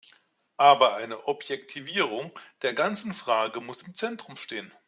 Aber eine Objektivierung der ganzen Frage muss im Zentrum stehen.